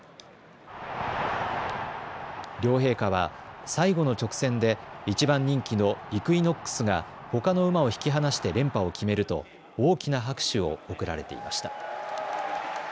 両陛下は最後の直線で１番人気のイクイノックスがほかの馬を引き離して連覇を決めると大きな拍手を送られていました。